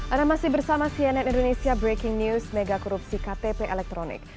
anda masih bersama cnn indonesia breaking news mega korupsi ktp elektronik